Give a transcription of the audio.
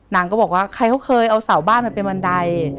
นางก็บอกว่าใครเขาเคยเอาเสาบ้านมันเป็นบันได